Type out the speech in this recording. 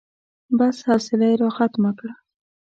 بس، حوصله يې راختمه کړه.